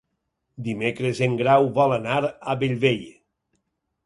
Dimecres en Grau vol anar a Bellvei.